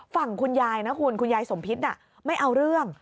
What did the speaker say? ฝั่งคุณยายนะคุณคุณยายสมพิษไม่เอาเรื่อง